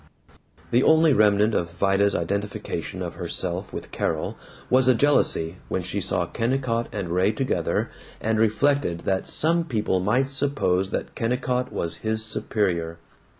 The only remnant of Vida's identification of herself with Carol was a jealousy when she saw Kennicott and Ray together, and reflected that some people might suppose that Kennicott was his superior.